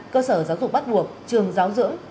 cơ sở giáo dục bắt buộc trường giáo dưỡng